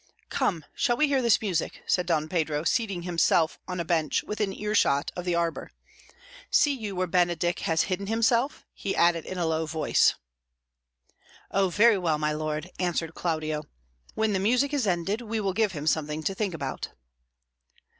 "Come, shall we hear this music?" said Don Pedro, seating himself on a bench within earshot of the arbour. "See you where Benedick has hidden himself?" he added in a low voice. "Oh, very well, my lord," answered Claudio. "When the music is ended, we will give him something to think about."